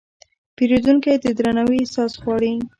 پیرودونکی د درناوي احساس غواړي.